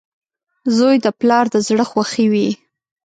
• زوی د پلار د زړۀ خوښي وي.